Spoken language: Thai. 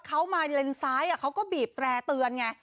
เขามาเลนซ้ายเขาก็บีบแตร่เตือนไง